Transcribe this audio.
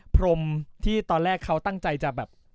พรมที่ตอนแรกเขาตั้งใจจะแบบ